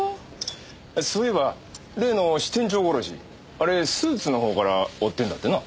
あそういえば例の支店長殺しあれスーツのほうから追ってんだってな。